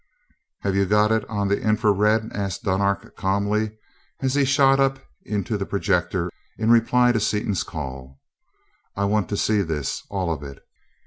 "Have you got it on the infra red?" asked Dunark calmly, as he shot up into the projector in reply to Seaton's call. "I want to see this, all of it."